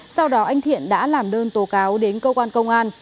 sau đó anh thiện đã làm đơn tố cáo đến cơ quan công an